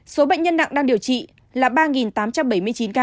số bệnh nhân nặng đang điều trị là ba tám trăm bảy mươi chín ca